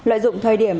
anh nguyễn thị bé giang